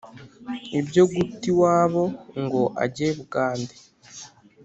ibyo guta iwabo ngo ajye bugande